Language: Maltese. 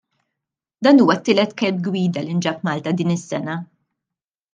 Dan huwa t-tielet kelb gwida li nġab Malta din is-sena.